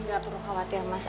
nggak perlu khawatir mas